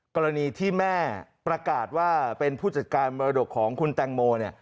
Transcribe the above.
กรณีที่แม่ประกาศว่าเป็นผู้จัดการมรดกของคุณแตงโมเนี่ย